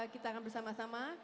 kita akan bersama sama